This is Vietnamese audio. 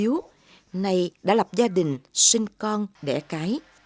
nhưng họ đã lập gia đình sinh con đẻ cá